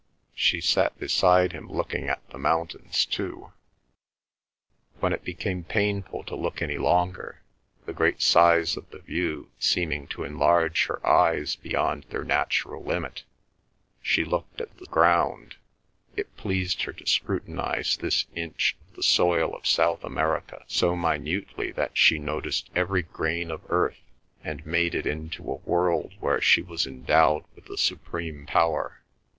She sat beside him looking at the mountains too. When it became painful to look any longer, the great size of the view seeming to enlarge her eyes beyond their natural limit, she looked at the ground; it pleased her to scrutinise this inch of the soil of South America so minutely that she noticed every grain of earth and made it into a world where she was endowed with the supreme power.